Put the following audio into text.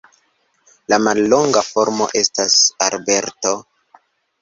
La mallonga formo estas Alberto.